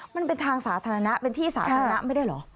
มันเป็นทางสาธารณะเป็นที่สาธารณะไม่ได้เหรอ